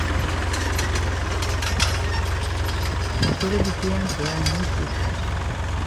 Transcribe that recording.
Vostedes dicían que eran moi xustas.